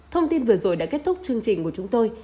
thông tin vừa rồi đã kết thúc chương trình của chúng tôi